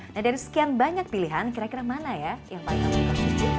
nah dari sekian banyak pilihan kira kira mana ya yang paling aman untuk kita